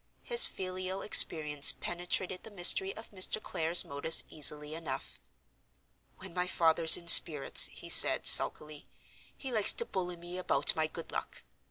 His filial experience penetrated the mystery of Mr. Clare's motives easily enough. "When my father's in spirits," he said, sulkily, "he likes to bully me about my good luck.